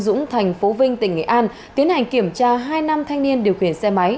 dũng thành phố vinh tỉnh nghệ an tiến hành kiểm tra hai nam thanh niên điều khiển xe máy